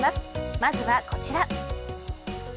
まずは、こちら。